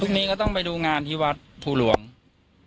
พรุ่งนี้ก็ต้องไปดูงานที่วัดภูรวงย์